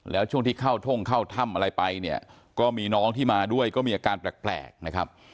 แล้วช่วงที่เข้าท่งเข้าถ้ำอะไรไปเนี่ยก็มีน้องที่มาด้วยก็มีอาการแปลกนะครับ